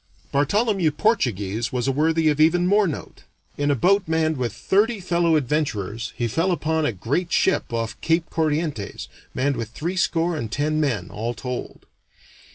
Bartholomew Portuguese was a worthy of even more note. In a boat manned with thirty fellow adventurers he fell upon a great ship off Cape Corrientes, manned with threescore and ten men, all told.